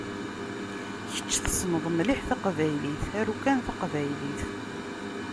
Kečč tessneḍ mliḥ taqbaylit aru kan taqbaylit.